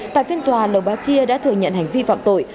tại phiên tòa lầu bá chia đã thừa nhận hành vi phạm tội